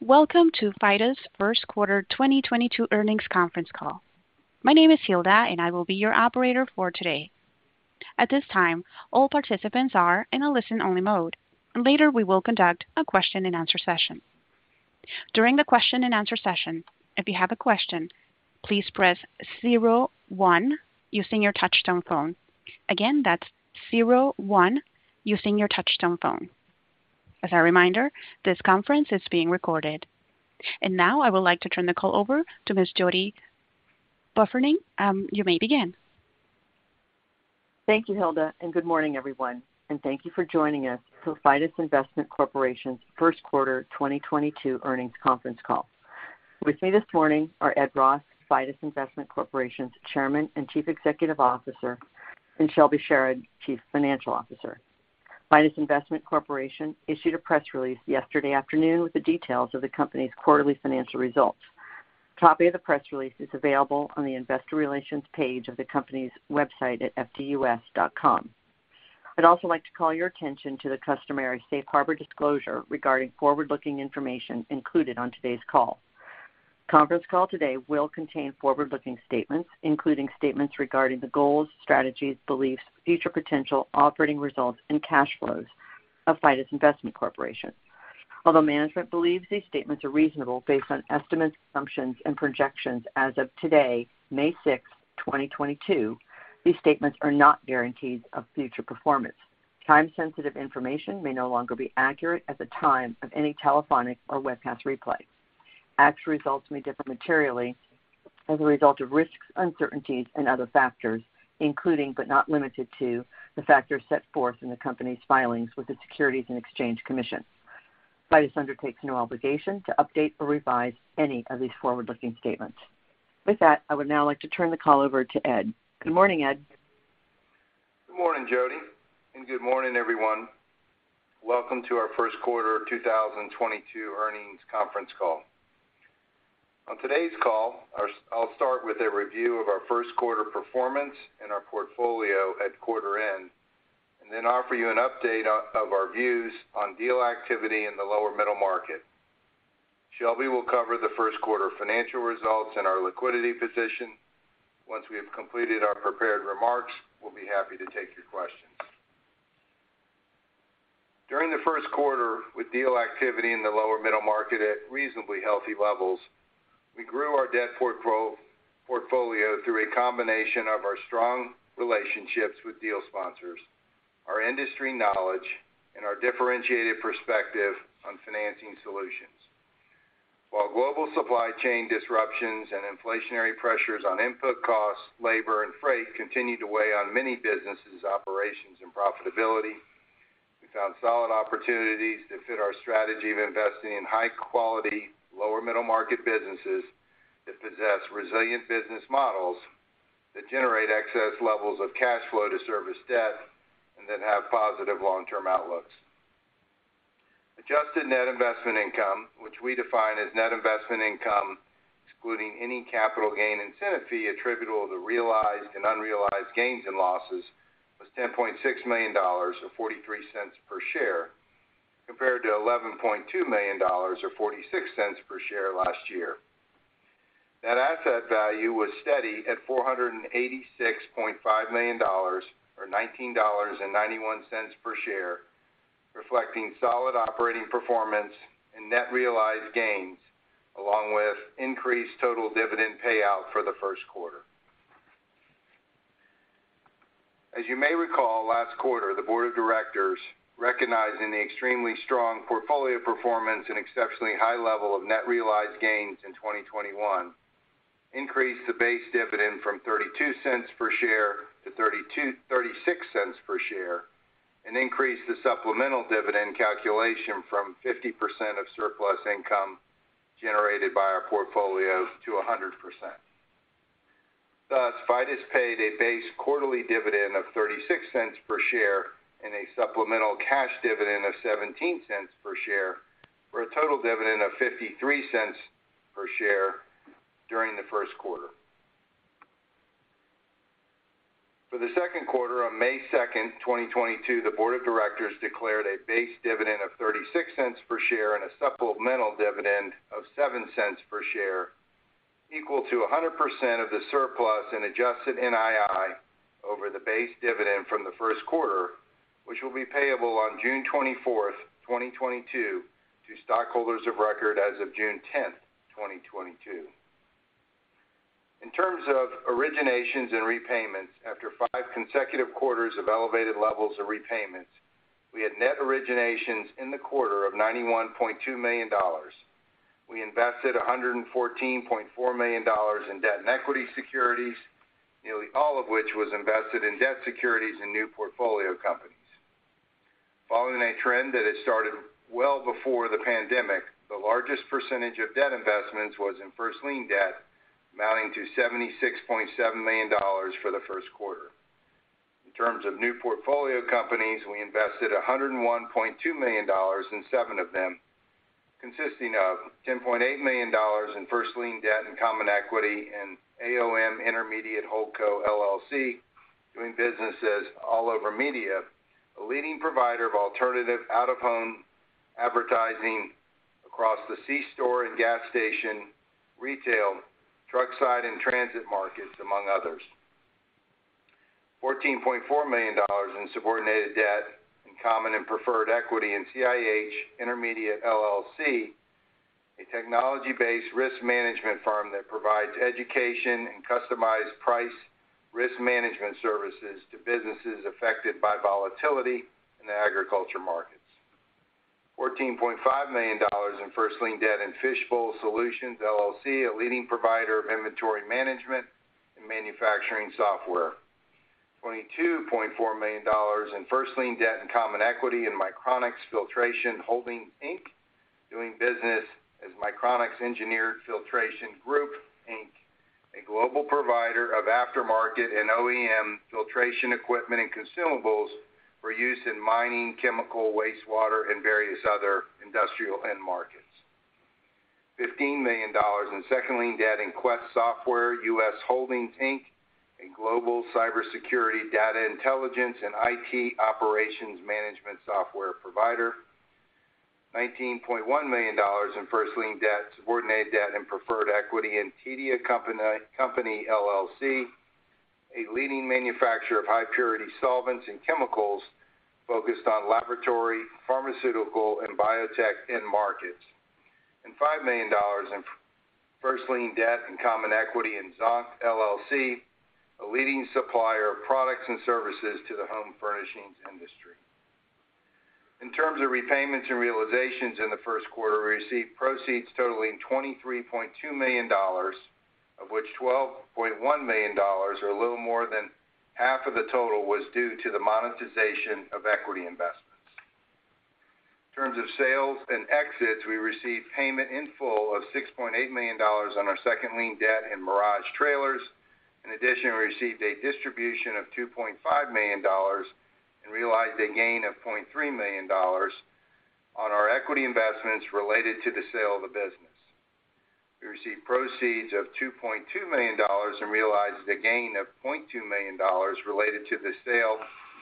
Welcome to Fidus first quarter 2022 earnings conference call. My name is Hilda, and I will be your operator for today. At this time, all participants are in a listen-only mode. Later, we will conduct a question-and-answer session. During the question-and-answer session, if you have a question, please press zero one using your touchtone phone. Again, that's zero one using your touchtone phone. As a reminder, this conference is being recorded. Now I would like to turn the call over to Ms. Jody Burfening. You may begin. Thank you, Hilda, and good morning, everyone, and thank you for joining us for Fidus Investment Corporation's first quarter 2022 earnings conference call. With me this morning are Ed Ross, Fidus Investment Corporation's Chairman and Chief Executive Officer, and Shelby Sherrod, Chief Financial Officer. Fidus Investment Corporation issued a press release yesterday afternoon with the details of the company's quarterly financial results. A copy of the press release is available on the investor relations page of the company's website at fdus.com. I'd also like to call your attention to the customary safe harbor disclosure regarding forward-looking information included on today's call. Conference call today will contain forward-looking statements, including statements regarding the goals, strategies, beliefs, future potential, operating results, and cash flows of Fidus Investment Corporation. Although management believes these statements are reasonable based on estimates, assumptions, and projections as of today, May 6, 2022, these statements are not guarantees of future performance. Time-sensitive information may no longer be accurate at the time of any telephonic or webcast replay. Actual results may differ materially as a result of risks, uncertainties, and other factors, including, but not limited to, the factors set forth in the company's filings with the Securities and Exchange Commission. Fidus undertakes no obligation to update or revise any of these forward-looking statements. With that, I would now like to turn the call over to Ed. Good morning, Ed. Good morning, Jody, and good morning, everyone. Welcome to our first quarter 2022 earnings conference call. On today's call, I'll start with a review of our first quarter performance and our portfolio at quarter end, and then offer you an update of our views on deal activity in the lower middle market. Shelby will cover the first quarter financial results and our liquidity position. Once we have completed our prepared remarks, we'll be happy to take your questions. During the first quarter with deal activity in the lower middle market at reasonably healthy levels, we grew our debt portfolio through a combination of our strong relationships with deal sponsors, our industry knowledge, and our differentiated perspective on financing solutions. While global supply chain disruptions and inflationary pressures on input costs, labor, and freight continued to weigh on many businesses' operations and profitability, we found solid opportunities to fit our strategy of investing in high quality, lower middle market businesses that possess resilient business models that generate excess levels of cash flow to service debt and that have positive long-term outlooks. Adjusted net investment income, which we define as net investment income, excluding any capital gain incentive fee attributable to realized and unrealized gains and losses, was $10.6 million, or $0.43 per share, compared to $11.2 million, or $0.46 per share last year. Net asset value was steady at $486.5 million, or $19.91 per share, reflecting solid operating performance and net realized gains, along with increased total dividend payout for the first quarter. As you may recall, last quarter, the board of directors, recognizing the extremely strong portfolio performance and exceptionally high level of net realized gains in 2021, increased the base dividend from $0.32 per share to $0.36 per share and increased the supplemental dividend calculation from 50% of surplus income generated by our portfolio to 100%. Thus, Fidus paid a base quarterly dividend of $0.36 per share and a supplemental cash dividend of $0.17 per share for a total dividend of $0.53 per share during the first quarter. For the second quarter on May 2nd, 2022, the board of directors declared a base dividend of $0.36 per share and a supplemental dividend of $0.07 per share, equal to 100% of the surplus and Adjusted NII over the base dividend from the first quarter, which will be payable on June 24, 2022 to stockholders of record as of June 10, 2022. In terms of originations and repayments, after five consecutive quarters of elevated levels of repayments, we had net originations in the quarter of $91.2 million. We invested $114.4 million in debt and equity securities, nearly all of which was invested in debt securities and new portfolio companies. Following a trend that had started well before the pandemic, the largest percentage of debt investments was in first lien debt, amounting to $76.7 million for the first quarter. In terms of new portfolio companies, we invested $101.2 million in seven of them, consisting of $10.8 million in first lien debt and common equity in AOM Intermediate Holdco LLC, doing business as AllOver Media. A leading provider of alternative out-of-home advertising across the c-store and gas station, retail, truckside, and transit markets, among others. $14.4 million in subordinated debt, common and preferred equity in CIH Intermediate, LLC, a technology-based risk management firm that provides education and customized price risk management services to businesses affected by volatility in the agricultural markets. $14.5 million in first lien debt in Fishbowl Solutions, LLC, a leading provider of inventory management and manufacturing software. $22.4 million in first lien debt and common equity in Micronics Filtration Holdings, Inc., doing business as Micronics Engineered Filtration Group, Inc., a global provider of aftermarket and OEM filtration equipment and consumables for use in mining, chemical, wastewater, and various other industrial end markets. $15 million in second lien debt in Quest Software US Holdings Inc., a global cybersecurity, data intelligence, and IT operations management software provider. $19.1 million in first lien debt, subordinated debt, and preferred equity in Tedia Company LLC, a leading manufacturer of high purity solvents and chemicals focused on laboratory, pharmaceutical, and biotech end markets. $5 million in first lien debt and common equity in Zonkd, LLC, a leading supplier of products and services to the home furnishings industry. In terms of repayments and realizations in the first quarter, we received proceeds totaling $23.2 million, of which $12.1 million are a little more than half of the total was due to the monetization of equity investments. In terms of sales and exits, we received payment in full of $6.8 million on our second lien debt in Mirage Trailers. In addition, we received a distribution of $2.5 million and realized a gain of $300,000 on our equity investments related to the sale of the business. We received proceeds of $2.2 million and realized a gain of $200,000 related to the sale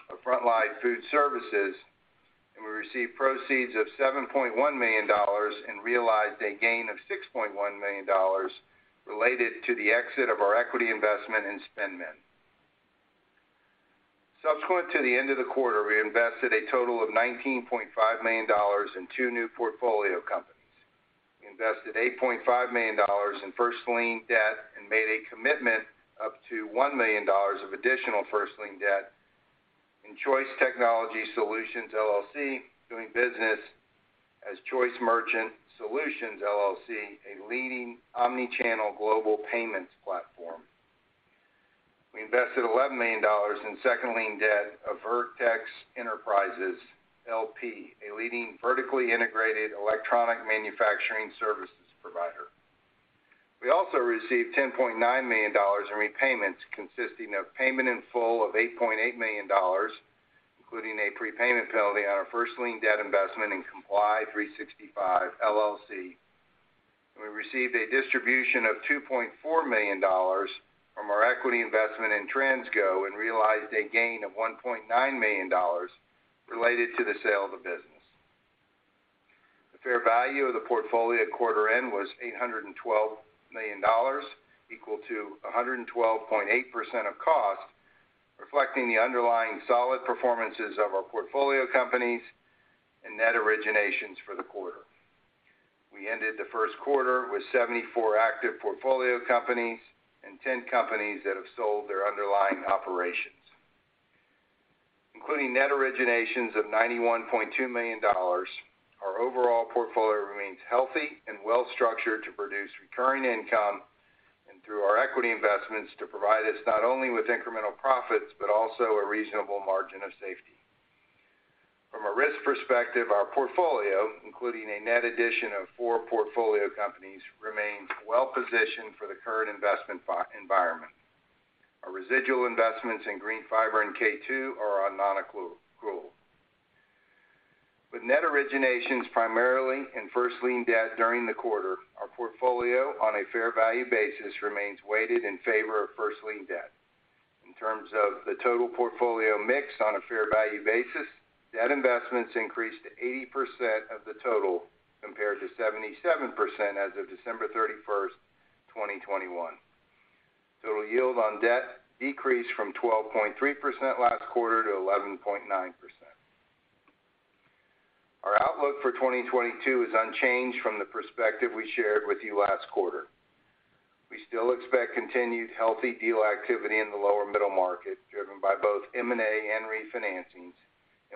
of Frontline Food Services, and we received proceeds of $7.1 million and realized a gain of $6.1 million related to the exit of our equity investment in SpendMend. Subsequent to the end of the quarter, we invested a total of $19.5 million in two new portfolio companies. We invested $8.5 million in first lien debt and made a commitment up to $1 million of additional first lien debt in Choice Technology Solutions LLC, doing business as Choice Merchant Solutions LLC, a leading omni-channel global payments platform. We invested $11 million in second lien debt of Vertex Enterprises LP, a leading vertically integrated electronic manufacturing services provider. We also received $10.9 million in repayments consisting of payment in full of $8.8 million, including a prepayment penalty on our first lien debt investment in Comply365 LLC. We received a distribution of $2.4 million from our equity investment in TransGo and realized a gain of $1.9 million related to the sale of the business. The fair value of the portfolio at quarter end was $812 million, equal to 112.8% of cost, reflecting the underlying solid performances of our portfolio companies and net originations for the quarter. We ended the first quarter with 74 active portfolio companies and 10 companies that have sold their underlying operations. Including net originations of $91.2 million, our overall portfolio remains healthy and well-structured to produce recurring income and through our equity investments to provide us not only with incremental profits, but also a reasonable margin of safety. From a risk perspective, our portfolio, including a net addition of four portfolio companies, remains well-positioned for the current investment environment. Our residual investments in GreenFiber and K2 are on non-accrual. With net originations primarily in first lien debt during the quarter, our portfolio on a fair value basis remains weighted in favor of first lien debt. In terms of the total portfolio mix on a fair value basis, debt investments increased to 80% of the total compared to 77% as of December 31st, 2021. Total yield on debt decreased from 12.3% last quarter to 11.9%. Our outlook for 2022 is unchanged from the perspective we shared with you last quarter. We still expect continued healthy deal activity in the lower middle market, driven by both M&A and refinancings,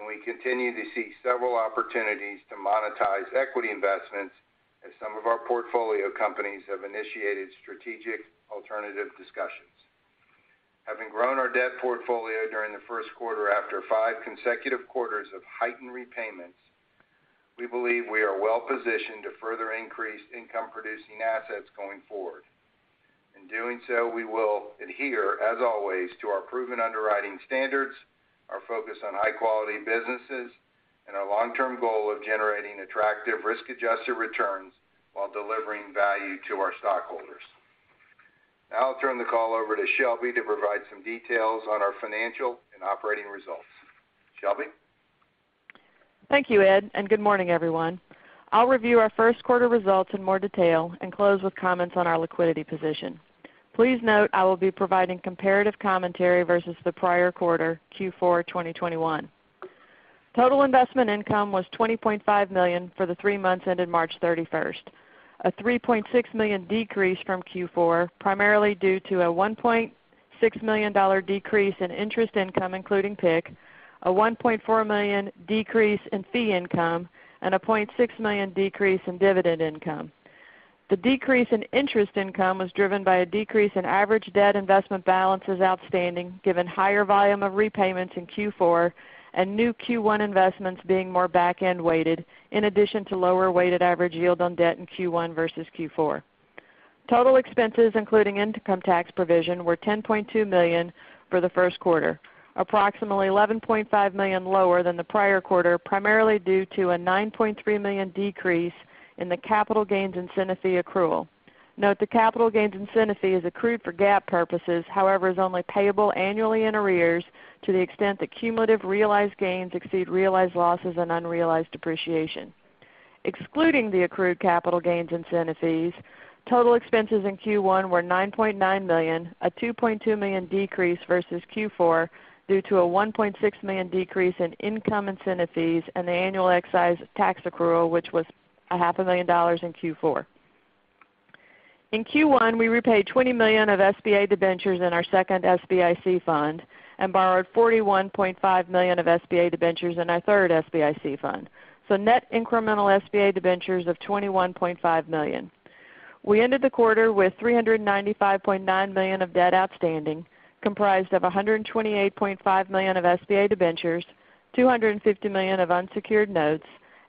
and we continue to see several opportunities to monetize equity investments as some of our portfolio companies have initiated strategic alternative discussions. Having grown our debt portfolio during the first quarter after five consecutive quarters of heightened repayments, we believe we are well-positioned to further increase income-producing assets going forward. In doing so, we will adhere, as always, to our proven underwriting standards, our focus on high-quality businesses, and our long-term goal of generating attractive risk-adjusted returns while delivering value to our stockholders. Now I'll turn the call over to Shelby to provide some details on our financial and operating results. Shelby? Thank you, Ed, and good morning, everyone. I'll review our first quarter results in more detail and close with comments on our liquidity position. Please note I will be providing comparative commentary versus the prior quarter, Q4 2021. Total investment income was $20.5 million for the three months ended March 31st. A $3.6 million decrease from Q4, primarily due to a $1.6 million decrease in interest income, including PIK, a $1.4 million decrease in fee income, and a $600,000 decrease in dividend income. The decrease in interest income was driven by a decrease in average debt investment balances outstanding given higher volume of repayments in Q4 and new Q1 investments being more back-end weighted, in addition to lower weighted average yield on debt in Q1 versus Q4. Total expenses, including income tax provision, were $10.2 million for the first quarter, approximately $11.5 million lower than the prior quarter, primarily due to a $9.3 million decrease in the capital gains incentive fee accrual. Note the capital gains incentive fee is accrued for GAAP purposes, however, is only payable annually in arrears to the extent that cumulative realized gains exceed realized losses and unrealized depreciation. Excluding the accrued capital gains incentive fees, total expenses in Q1 were $9.9 million, a $2.2 million decrease versus Q4 due to a $1.6 million decrease in income incentive fees and the annual excise tax accrual, which was half a million dollars in Q4. In Q1, we repaid $20 million of SBA debentures in our second SBIC fund and borrowed $41.5 million of SBA debentures in our third SBIC fund. Net incremental SBA debentures of $21.5 million. We ended the quarter with $395.9 million of debt outstanding, comprised of $128.5 million of SBA debentures, $250 million of unsecured notes,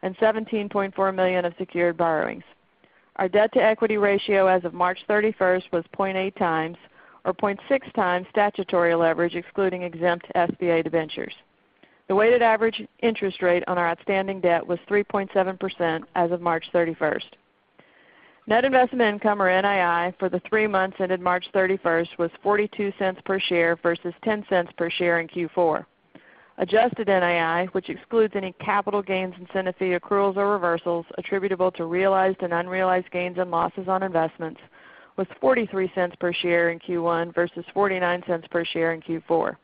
and $17.4 million of secured borrowings. Our debt-to-equity ratio as of March 31st was 0.8x or 0.6x statutory leverage excluding exempt SBA debentures. The weighted average interest rate on our outstanding debt was 3.7% as of March 31st. Net investment income, or NII, for the three months ended March 31st was $0.42 per share versus $0.10 per share in Q4. Adjusted NII, which excludes any capital gains, incentive fee accruals, or reversals attributable to realized and unrealized gains and losses on investments, was $0.43 per share in Q1 versus $0.49 per share in Q4.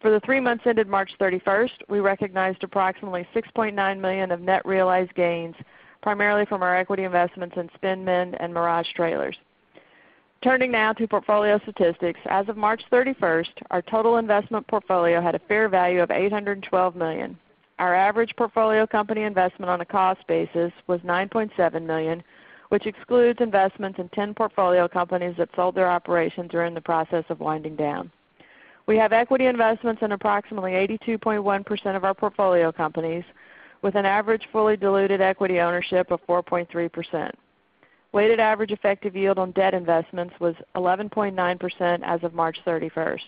For the three months ended March 31st, we recognized approximately $6.9 million of net realized gains, primarily from our equity investments in SpendMend and Mirage Trailers. Turning now to portfolio statistics. As of March 31st, our total investment portfolio had a fair value of $812 million. Our average portfolio company investment on a cost basis was $9.7 million, which excludes investments in 10 portfolio companies that sold their operations or are in the process of winding down. We have equity investments in approximately 82.1% of our portfolio companies, with an average fully diluted equity ownership of 4.3%. Weighted average effective yield on debt investments was 11.9% as of March 31st.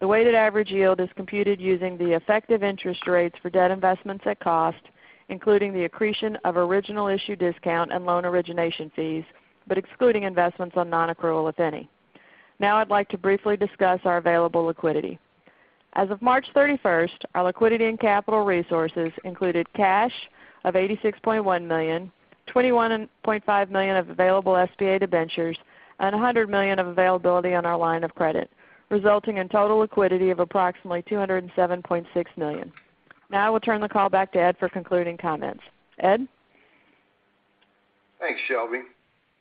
The weighted average yield is computed using the effective interest rates for debt investments at cost, including the accretion of original issue discount and loan origination fees, but excluding investments on non-accrual, if any. Now I'd like to briefly discuss our available liquidity. As of March 31st, our liquidity and capital resources included cash of $86.1 million, $21.5 million of available SBA debentures, and $100 million of availability on our line of credit, resulting in total liquidity of approximately $207.6 million. Now I will turn the call back to Ed for concluding comments. Ed? Thanks, Shelby.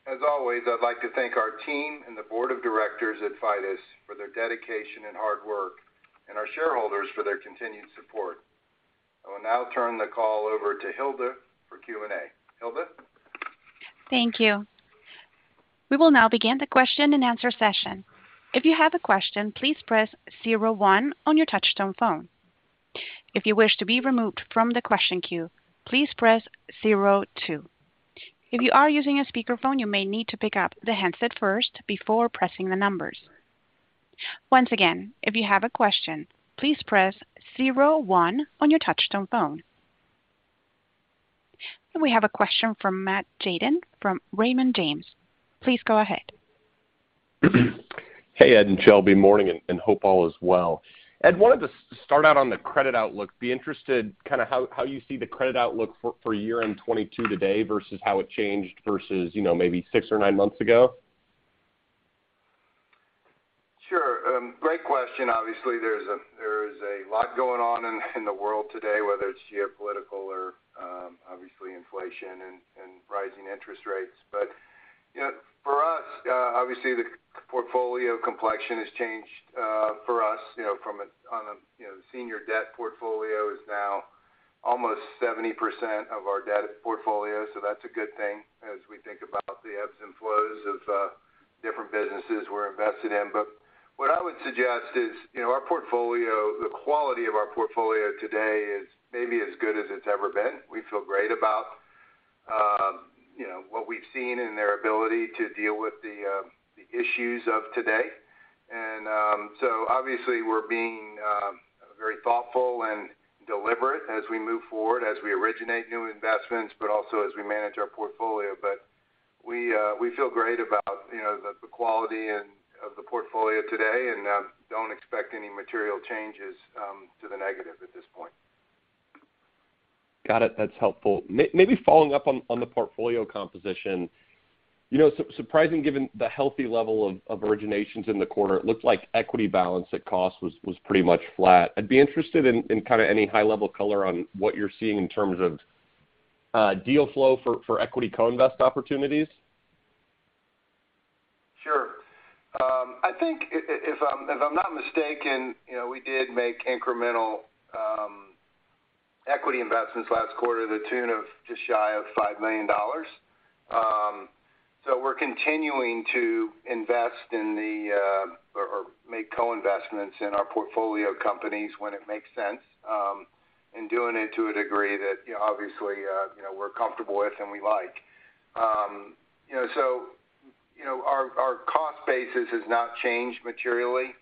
As always, I'd like to thank our team and the board of directors at Fidus for their dedication and hard work and our shareholders for their continued support. I will now turn the call over to Hilda for Q&A. Hilda? Thank you. We will now begin the question-and-answer session. If you have a question, please press zero one on your touchtone phone. If you wish to be removed from the question queue, please press zero two. If you are using a speakerphone, you may need to pick up the handset first before pressing the numbers. Once again, if you have a question, please press zero one on your touchtone phone. We have a question from Matt Tjaden from Raymond James. Please go ahead. Hey, Ed and Shelby. Morning, and hope all is well. Ed, wanted to start out on the credit outlook. Be interested kinda how you see the credit outlook for year-end 2022 today versus how it changed versus, you know, maybe six or nine months ago. Sure. Great question. Obviously, there's a lot going on in the world today, whether it's geopolitical or obviously inflation and rising interest rates. You know, for us, obviously, the portfolio complexion has changed for us, you know, senior debt portfolio is now almost 70% of our debt portfolio, so that's a good thing as we think about the ebbs and flows of different businesses we're invested in. What I would suggest is, you know, our portfolio, the quality of our portfolio today is maybe as good as it's ever been. We feel great about, you know, what we've seen in their ability to deal with the issues of today. Obviously we're being very thoughtful and deliberate as we move forward, as we originate new investments, but also as we manage our portfolio. We feel great about, you know, the quality and of the portfolio today, and don't expect any material changes to the negative at this point. Got it. That's helpful. Maybe following up on the portfolio composition. You know, surprising given the healthy level of originations in the quarter, it looked like equity balance at cost was pretty much flat. I'd be interested in kind of any high level color on what you're seeing in terms of deal flow for equity co-invest opportunities. Sure. I think if I'm not mistaken, you know, we did make incremental equity investments last quarter to the tune of just shy of $5 million. We're continuing to invest in them or make co-investments in our portfolio companies when it makes sense, and doing it to a degree that, you know, obviously, you know, we're comfortable with and we like. You know, our cost basis has not changed materially,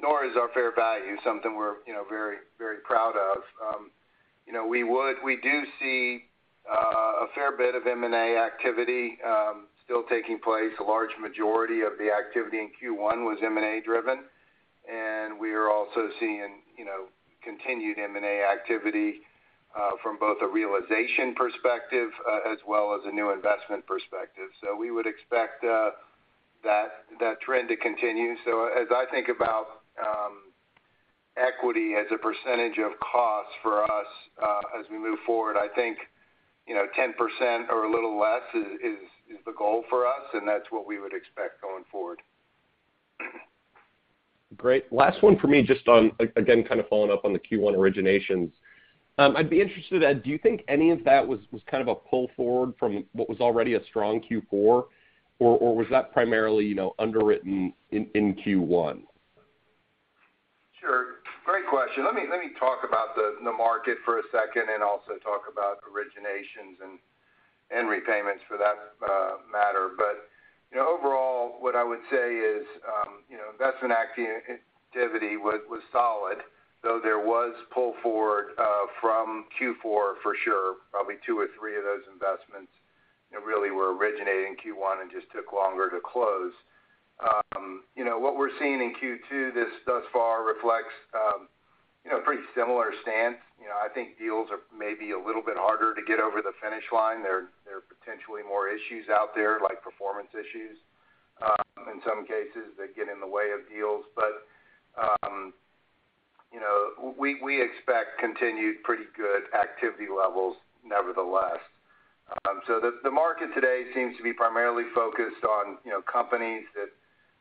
nor has our fair value, something we're, you know, very, very proud of. You know, we do see a fair bit of M&A activity still taking place. A large majority of the activity in Q1 was M&A driven, and we are also seeing, you know, continued M&A activity from both a realization perspective as well as a new investment perspective. We would expect that trend to continue. As I think about equity as a percentage of cost for us as we move forward, I think, you know, 10% or a little less is the goal for us, and that's what we would expect going forward. Great. Last one for me, just on, again, kind of following up on the Q1 originations. I'd be interested, Ed, do you think any of that was kind of a pull forward from what was already a strong Q4, or was that primarily, you know, underwritten in Q1? Sure. Great question. Let me talk about the market for a second and also talk about originations and repayments for that matter. You know, overall, what I would say is, you know, investment activity was solid, though there was pull forward from Q4 for sure. Probably two or three of those investments, you know, really were originated in Q1 and just took longer to close. You know, what we're seeing in Q2 thus far reflects, you know, pretty similar stance. You know, I think deals are maybe a little bit harder to get over the finish line. There are potentially more issues out there, like performance issues, in some cases that get in the way of deals. You know, we expect continued pretty good activity levels nevertheless. The market today seems to be primarily focused on, you know, companies that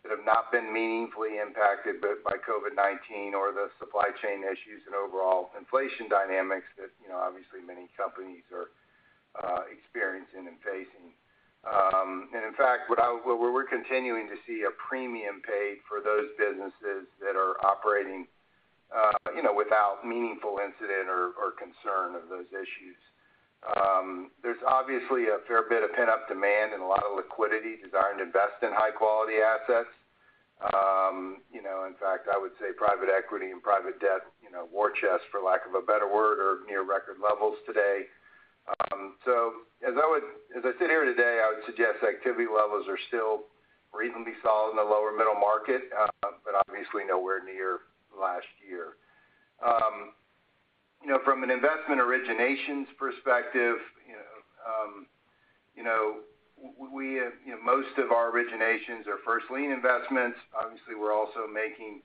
have not been meaningfully impacted by COVID-19 or the supply chain issues and overall inflation dynamics that, you know, obviously many companies are experiencing and facing. In fact, we're continuing to see a premium paid for those businesses that are operating, you know, without meaningful incident or concern of those issues. There's obviously a fair bit of pent-up demand and a lot of liquidity designed to invest in high-quality assets. You know, in fact, I would say private equity and private debt, you know, war chest, for lack of a better word, are near record levels today. As I sit here today, I would suggest activity levels are still reasonably solid in the lower middle market, but obviously nowhere near last year. You know, from an investment originations perspective, you know, you know, we, you know, most of our originations are first lien investments. Obviously, we're also making,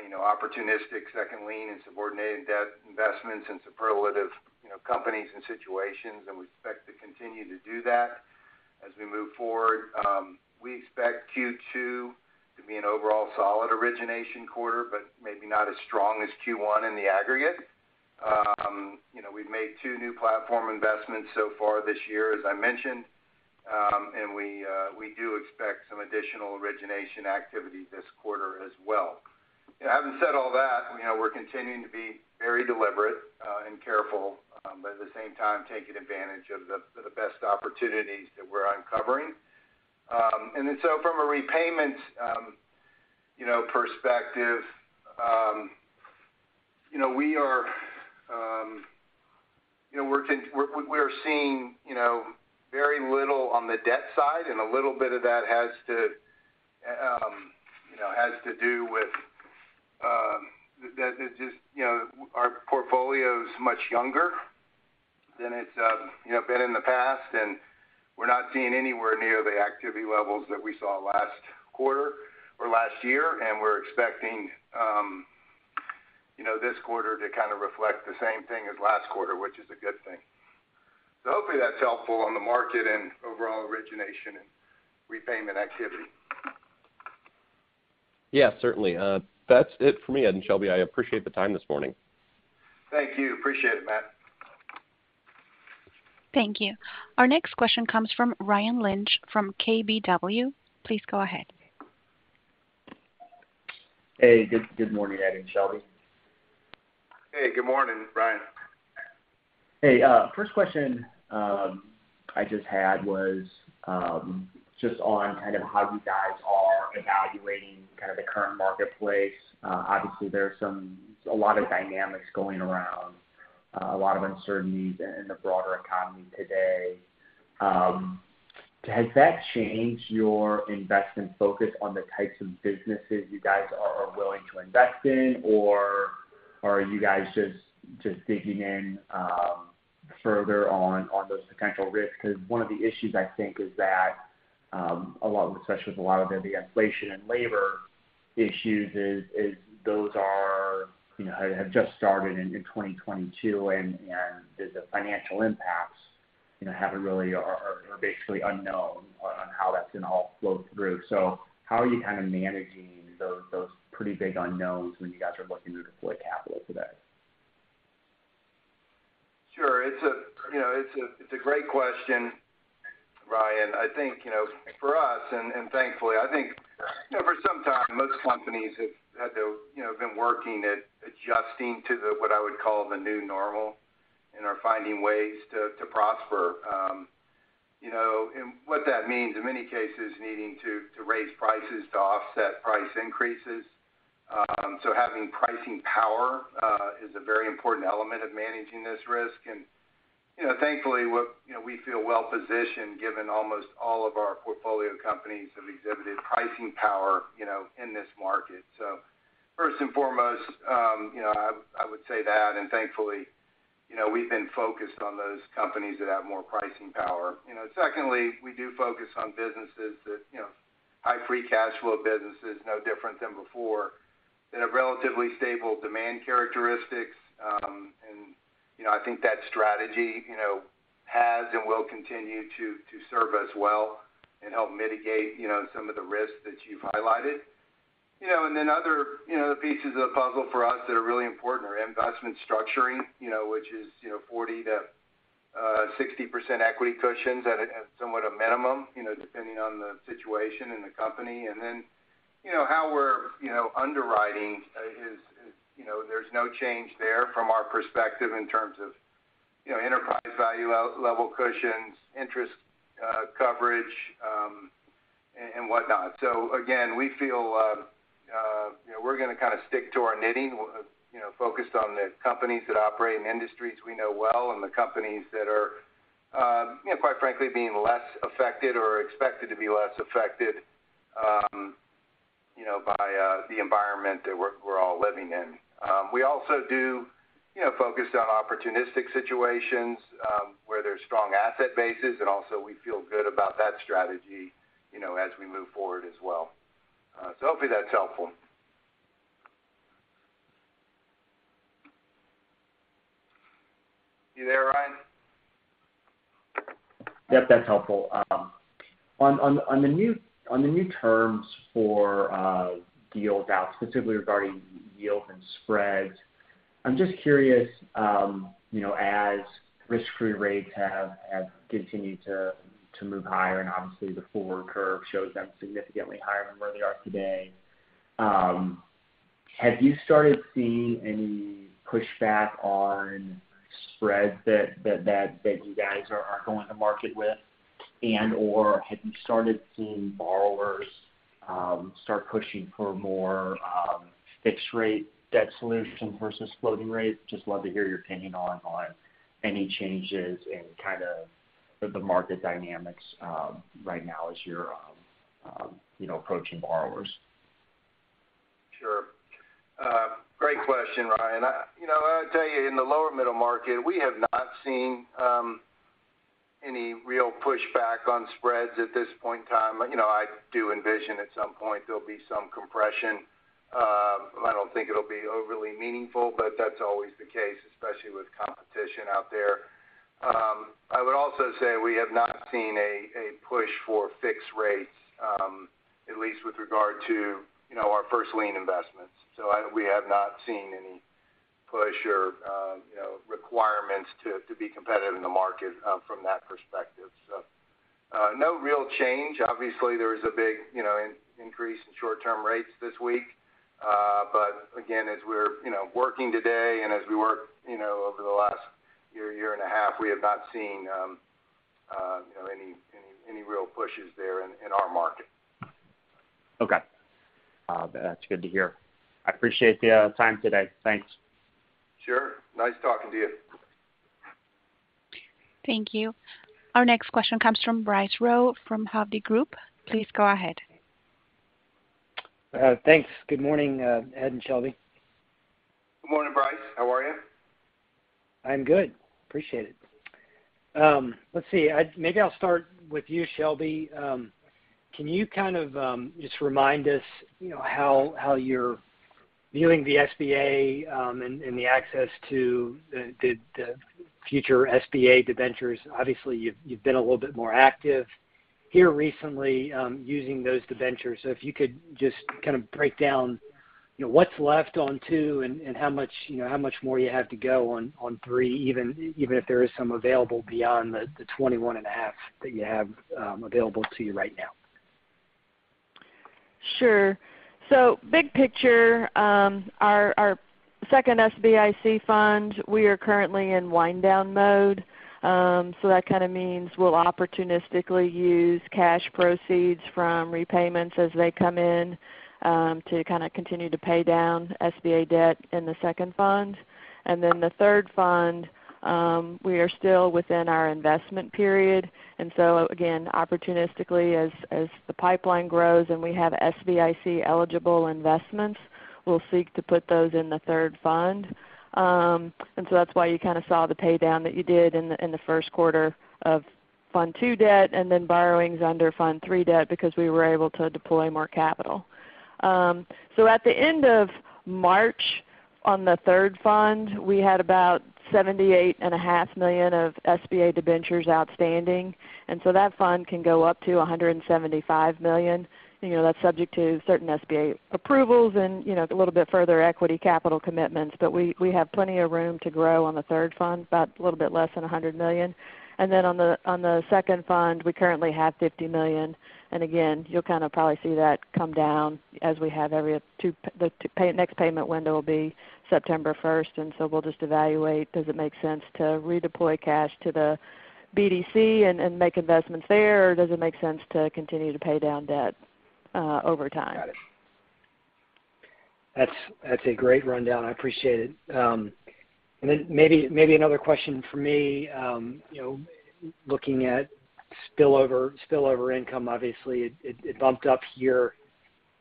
you know, opportunistic second lien and subordinated debt investments in superlative, you know, companies and situations, and we expect to continue to do that as we move forward. We expect Q2 to be an overall solid origination quarter, but maybe not as strong as Q1 in the aggregate. You know, we've made two new platform investments so far this year, as I mentioned. We do expect some additional origination activity this quarter as well. You know, having said all that, you know, we're continuing to be very deliberate and careful, but at the same time, taking advantage of the best opportunities that we're uncovering. From a repayment perspective, you know, we're seeing very little on the debt side, and a little bit of that has to do with that just our portfolio is much younger than it's been in the past, and we're not seeing anywhere near the activity levels that we saw last quarter or last year. We're expecting this quarter to kind of reflect the same thing as last quarter, which is a good thing. Hopefully that's helpful on the market and overall origination and repayment activity. Yeah, certainly. That's it for me, Ed and Shelby. I appreciate the time this morning. Thank you. Appreciate it, Matt. Thank you. Our next question comes from Ryan Lynch from KBW. Please go ahead. Hey, good morning, Ed and Shelby. Hey, good morning, Ryan. Hey, first question I just had was just on kind of how you guys are evaluating kind of the current marketplace. Obviously, there are a lot of dynamics going around, a lot of uncertainties in the broader economy today. Has that changed your investment focus on the types of businesses you guys are willing to invest in? Or are you guys just digging in further on those potential risks? 'Cause one of the issues I think is that, especially with a lot of the inflation and labor issues is those are, you know, have just started in 2022, and the financial impacts, you know, haven't really or basically unknown on how that's gonna all flow through. How are you kind of managing those pretty big unknowns when you guys are looking to deploy capital today? Sure. You know, it's a great question, Ryan. I think, for us, and thankfully, I think, you know, for some time, most companies have had to, you know, been working at adjusting to the what I would call the new normal and are finding ways to prosper. You know, what that means, in many cases, needing to raise prices to offset price increases. Having pricing power is a very important element of managing this risk. You know, thankfully, we feel well-positioned given almost all of our portfolio companies have exhibited pricing power, you know, in this market. First and foremost, you know, I would say that, and thankfully, you know, we've been focused on those companies that have more pricing power. You know, secondly, we do focus on businesses that, you know, high free cash flow businesses, no different than before, that have relatively stable demand characteristics. You know, I think that strategy, you know, has and will continue to serve us well and help mitigate, you know, some of the risks that you've highlighted. You know, and then other, you know, pieces of the puzzle for us that are really important are investment structuring, you know, which is, you know, 40%-60% equity cushions at somewhat a minimum, you know, depending on the situation and the company. You know, how we're, you know, underwriting is, you know, there's no change there from our perspective in terms of, you know, enterprise value to debt level cushions, interest coverage, and whatnot. Again, we feel, you know, we're gonna kind of stick to our knitting, you know, focused on the companies that operate in industries we know well, and the companies that are, you know, quite frankly, being less affected or expected to be less affected, you know, by the environment that we're all living in. We also do, you know, focus on opportunistic situations, where there's strong asset bases, and also we feel good about that strategy, you know, as we move forward as well. Hopefully that's helpful. You there, Ryan? Yep, that's helpful. On the new terms for deals out, specifically regarding yield and spreads, I'm just curious, you know, as risk-free rates have continued to move higher, and obviously the forward curve shows them significantly higher than where they are today, have you started seeing any pushback on spreads that you guys are going to market with? And/or have you started seeing borrowers start pushing for more fixed rate debt solutions versus floating rate? Just love to hear your opinion on any changes in kind of the market dynamics right now as you're you know, approaching borrowers. Sure. Great question, Ryan. You know, I'll tell you, in the lower middle market, we have not seen any real pushback on spreads at this point in time. You know, I do envision at some point there'll be some compression. I don't think it'll be overly meaningful, but that's always the case, especially with competition out there. I would also say we have not seen a push for fixed rates, at least with regard to, you know, our first lien investments. So we have not seen any push or, you know, requirements to be competitive in the market, from that perspective. So, no real change. Obviously, there was a big, you know, increase in short-term rates this week. Again, as we're, you know, working today and as we work, you know, over the last year and a half, we have not seen, you know, any real pushes there in our market. Okay. That's good to hear. I appreciate the time today. Thanks. Sure. Nice talking to you. Thank you. Our next question comes from Bryce Rowe from Hovde Group. Please go ahead. Thanks. Good morning, Ed and Shelby. Good morning, Bryce. How are you? I'm good. Appreciate it. Let's see. Maybe I'll start with you, Shelby. Can you kind of just remind us, you know, how you're viewing the SBA and the access to the future SBA debentures? Obviously, you've been a little bit more active here recently using those debentures. If you could just kind of break down, you know, what's left on two and how much more you have to go on three, even if there is some available beyond the 21.5 that you have available to you right now. Sure. Big picture, our second SBIC fund, we are currently in wind down mode. That kind of means we'll opportunistically use cash proceeds from repayments as they come in to kinda continue to pay down SBA debt in the second fund. Then the third fund, we are still within our investment period, and again, opportunistically, as the pipeline grows and we have SBIC-eligible investments, we'll seek to put those in the third fund. That's why you kinda saw the pay down that you did in the first quarter of fund two debt and then borrowings under fund three debt because we were able to deploy more capital. At the end of March, on the third fund, we had about $78.5 million of SBA debentures outstanding, and that fund can go up to $175 million. You know, that's subject to certain SBA approvals and, you know, a little bit further equity capital commitments. We have plenty of room to grow on the third fund, about a little bit less than $100 million. Then on the second fund, we currently have $50 million. You'll kind of probably see that come down as we have, next payment window will be September 1st, and so we'll just evaluate, does it make sense to redeploy cash to the BDC and make investments there or does it make sense to continue to pay down debt over time? Got it. That's a great rundown. I appreciate it. And then maybe another question from me, you know, looking at spillover income. Obviously it bumped up here,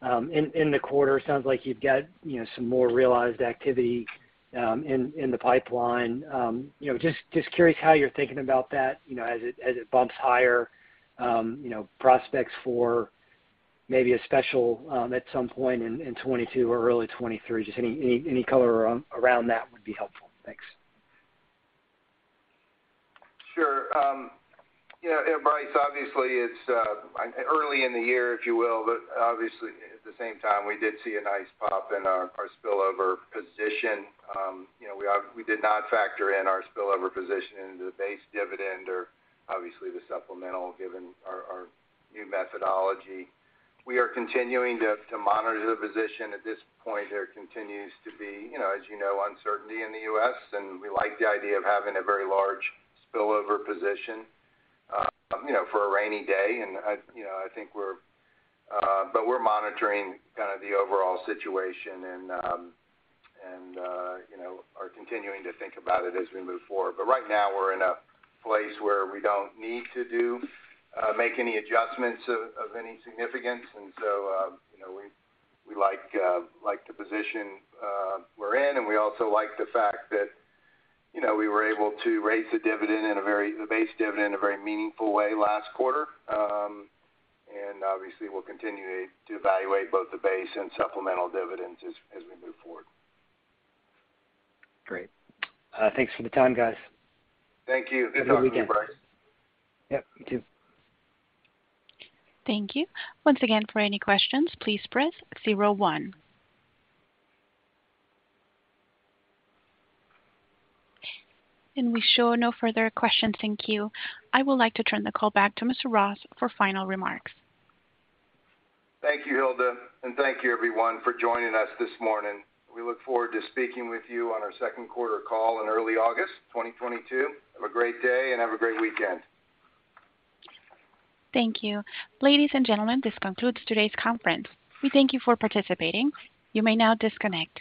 in the quarter. Sounds like you've got, you know, some more realized activity, in the pipeline. You know, just curious how you're thinking about that, you know, as it bumps higher, you know, prospects for maybe a special, at some point in 2022 or early 2023. Just any color around that would be helpful. Thanks. Sure. You know, Bryce, obviously it's early in the year, if you will, but obviously at the same time we did see a nice pop in our spillover position. You know, we did not factor in our spillover position into the base dividend or obviously the supplemental given our new methodology. We are continuing to monitor the position. At this point, there continues to be, you know, as you know, uncertainty in the U.S. and we like the idea of having a very large spillover position, you know, for a rainy day. You know, I think we're monitoring kind of the overall situation and you know, are continuing to think about it as we move forward. Right now we're in a place where we don't need to make any adjustments of any significance. You know, we like the position we're in. We also like the fact that, you know, we were able to raise the base dividend in a very meaningful way last quarter. Obviously we'll continue to evaluate both the base and supplemental dividends as we move forward. Great. Thanks for the time, guys. Thank you. Have a good weekend. Yep, you too. Thank you. Once again, for any questions, please press zero one. We show no further questions. Thank you. I would like to turn the call back to Mr. Ross for final remarks. Thank you, Hilda, and thank you everyone for joining us this morning. We look forward to speaking with you on our second quarter call in early August 2022. Have a great day and have a great weekend. Thank you. Ladies and gentlemen, this concludes today's conference. We thank you for participating. You may now disconnect.